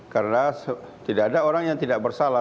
karena tidak ada orang yang tidak bersalah